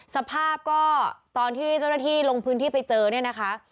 สภาพก็ตอนที่เจ้าหน้าที่ลงพื้นที่ไปเจอเนี่ยนะคะ